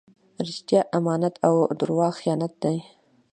رښتیا امانت او درواغ خیانت دئ.